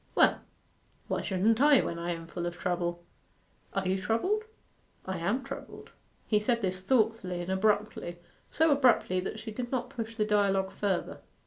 'Well, why shouldn't I when I am full of trouble?' 'Are you troubled?' 'I am troubled.' He said this thoughtfully and abruptly so abruptly that she did not push the dialogue further.